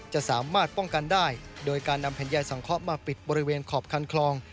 จะสามารถป้องกันได้โดยการนำแผ่นยายสังเคราะห์มาปิดบริเวณขอบคันคลอง